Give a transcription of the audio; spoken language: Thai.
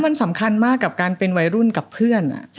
มันสำคัญมากกับการเป็นวัยรุ่นกับเพื่อน